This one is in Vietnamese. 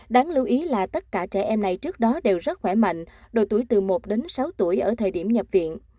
đáng lưu ý là tất cả trẻ em này trước đó đều rất khỏe mạnh độ tuổi từ một đến sáu tuổi ở thời điểm nhập viện